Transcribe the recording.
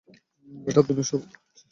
এটার দুনিয়ার সর্বত্র হচ্ছে!